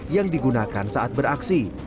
yang digunakan saat beraksi